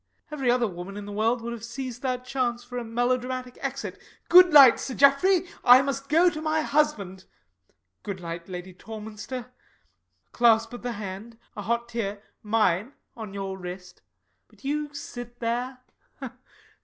Every other woman in the world would have seized that chance for a melodramatic exit. "Good night, Sir Geoffrey; I must go to my husband." "Good night, Lady Torminster." A clasp of the hand a hot tear mine on your wrist. But you sit there.